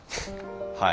はい。